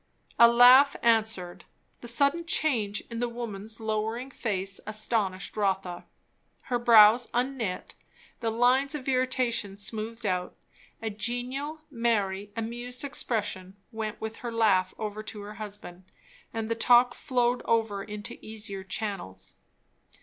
A laugh answered. The sudden change in the woman's lowering face astonished Rotha. Her brows unknit, the lines of irritation smoothed out, a genial, merry, amused expression went with her laugh over to her husband; and the talk flowed over into easier channels.